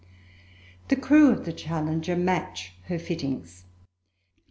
The crew of the Challenger match her fittings.